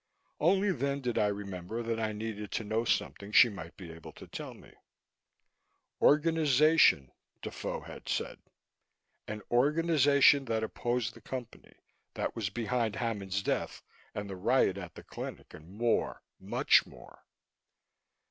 Only then did I remember that I needed to know something she might be able to tell me. Organization, Defoe had said an organization that opposed the Company, that was behind Hammond's death and the riot at the clinic and more, much more.